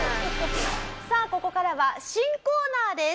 さあここからは新コーナーです。